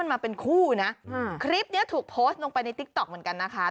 มาเป็นคู่นะคลิปนี้ถูกโพสต์ลงไปในติ๊กต๊อกเหมือนกันนะคะ